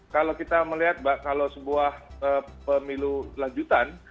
kalau kita melihat mbak kalau sebuah pemilu lanjutan